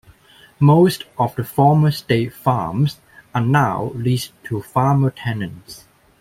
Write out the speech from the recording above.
Most of the former state farms are now leased to farmer tenants.